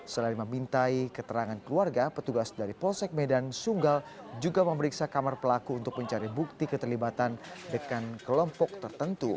selain memintai keterangan keluarga petugas dari polsek medan sunggal juga memeriksa kamar pelaku untuk mencari bukti keterlibatan dengan kelompok tertentu